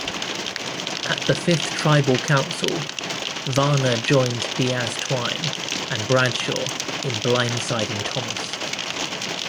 At the fifth Tribal Council, Varner joined Diaz-Twine and Bradshaw in blindsiding Thomas.